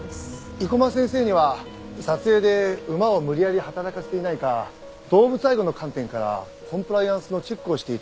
生駒先生には撮影で馬を無理やり働かせていないか動物愛護の観点からコンプライアンスのチェックをして頂いていて。